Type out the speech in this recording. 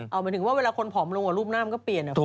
เหมาะถึงนะคะ